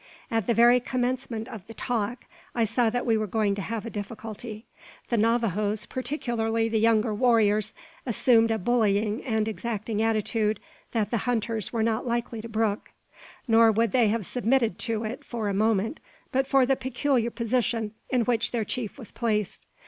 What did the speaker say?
At the very commencement of the "talk," I saw that we were going to have a difficulty. The Navajoes, particularly the younger warriors, assumed a bullying and exacting attitude that the hunters were not likely to brook; nor would they have submitted to it for a moment but for the peculiar position in which their chief was placed.